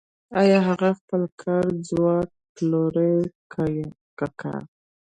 آیا هغه خپل کاري ځواک پلوري که کار